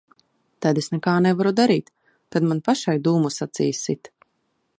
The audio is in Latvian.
Tad es nekā nevaru darīt. Tad man pašai dūmus acīs sit.